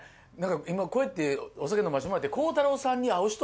今こうやってお酒飲ましてもらって。